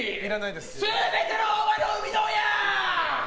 全ての大声の生みの親！